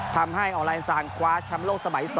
ทำให้ออลลายนซานคว้าชำโลกสมัย๒